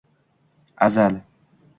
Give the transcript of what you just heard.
Azal